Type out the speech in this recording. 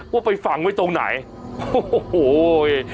ว่าไปฝังไว้ตรงไหนโอ้โหโห